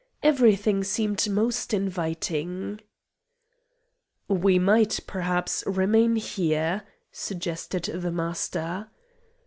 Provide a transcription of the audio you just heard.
Everything seemed most inviting. "We might, perhaps, remain here," suggested the Master.